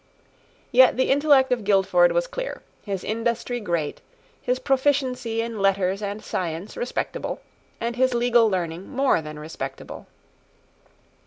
Yet the intellect of Guildford was clear, his industry great, his proficiency in letters and science respectable, and his legal learning more than respectable.